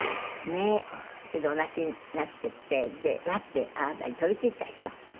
黒柳：それでお泣きになっててワッてあなたに飛びついたでしょ。